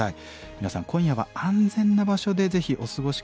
皆さん今夜は安全な場所でぜひお過ごし下さい。